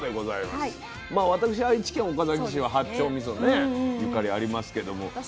まあ私愛知県岡崎市は八丁みそねゆかりありますけども。